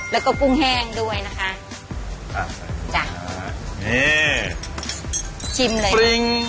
แล้วก็ปุ้งแห้งด้วยนะคะจ้ะนี่ชิมเลย